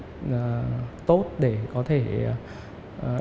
để có thể sử dụng các cái chế độ gia nhiệt tốt để có thể sử dụng các cái chế độ gia nhiệt tốt